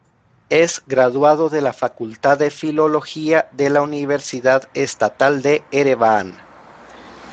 Es graduado de la Facultad de Filología de la Universidad Estatal de Ereván.